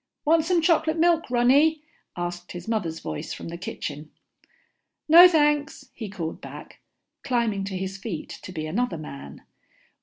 "Want some chocolate milk, Ronny?" asked his mother's voice from the kitchen. "No, thanks," he called back, climbing to his feet to be another man.